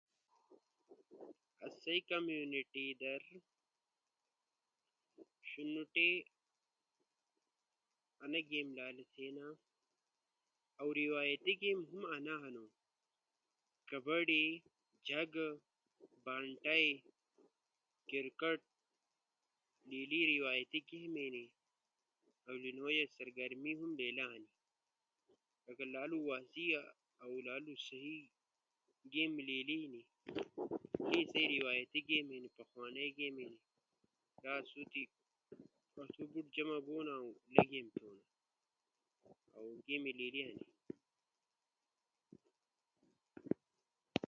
آسئی کمیونٹی در شینوٹئی کامیک گیم لالو تھینا، اؤ روایتی گیم ہم انا ہنو۔ کبڈی، جھگ، بانٹئی، کرکٹ، لیلی روایتی گیم ہنی، اؤ سا نویا سرگرمی ہم لیلا ہنی۔ لکہ لالو واضح اؤ لالو سہی گیم لیلی اینی۔ لیس تی روایتی گیم اینی، پخوانئی گیم اینی، لا آسو بوٹی جمع بون تھونا اؤ لیلی گیم تھونا۔